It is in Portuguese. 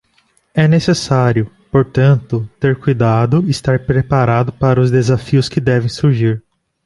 É necessário, portanto, ter cuidado, estar preparado para os desafios que devem surgir.